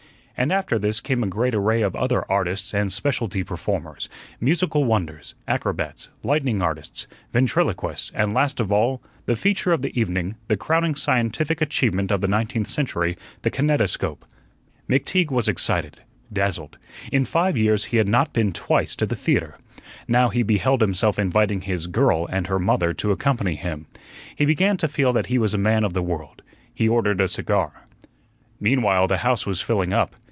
And after this came a great array of other "artists" and "specialty performers," musical wonders, acrobats, lightning artists, ventriloquists, and last of all, "The feature of the evening, the crowning scientific achievement of the nineteenth century, the kinetoscope." McTeague was excited, dazzled. In five years he had not been twice to the theatre. Now he beheld himself inviting his "girl" and her mother to accompany him. He began to feel that he was a man of the world. He ordered a cigar. Meanwhile the house was filling up.